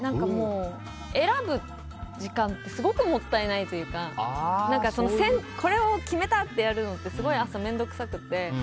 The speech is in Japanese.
選ぶ時間ってすごくもったいないというかこれを決めたってやるのってすごい、朝面倒くさくて。